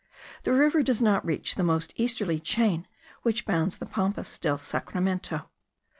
The river does not reach the most easterly chain, which bounds the Pampas del Sacramento.